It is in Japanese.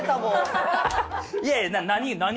いやいや何？